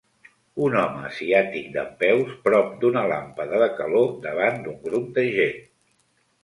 Un home asiàtic dempeus prop d'una làmpada de calor davant d'un grup de gent.